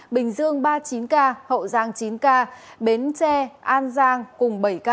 bình dương ba mươi chín ca hậu giang chín ca bến tre an giang cùng bảy ca